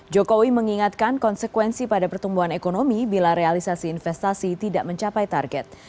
jokowi mengingatkan konsekuensi pada pertumbuhan ekonomi bila realisasi investasi tidak mencapai target